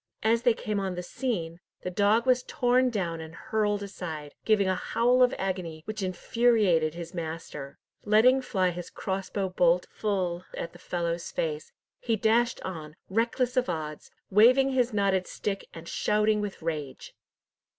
As they came on the scene, the dog was torn down and hurled aside, giving a howl of agony, which infuriated his master. Letting fly his crossbow bolt full at the fellow's face, he dashed on, reckless of odds, waving his knotted stick, and shouting with rage.